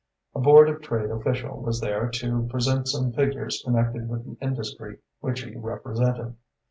A Board of Trade official was there to present some figures connected with the industry which he represented.